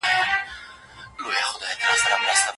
مکروه طلاق کوم طلاق ته ويل کيږي؟